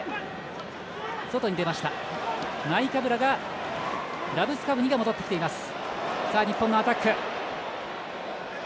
ナイカブララブスカフニが戻ってきています。